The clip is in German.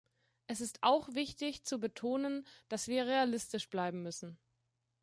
Es ist auch wichtig, zu betonen, dass wir realistisch bleiben müssen.